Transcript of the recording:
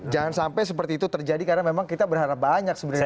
jangan sampai seperti itu terjadi karena memang kita berharap banyak sebenarnya